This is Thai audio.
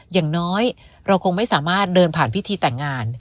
อย่างน้อยเราคงไม่สามารถเดินผ่านพิธีแต่งงาน